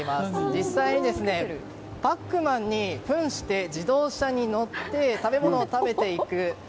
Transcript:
実際にパックマンに扮して自動車に乗って食べ物を食べていく。